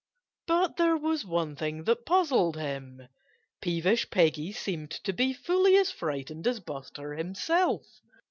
But there was one thing that puzzled him. Peevish Peggy seemed to be fully as frightened as Buster himself.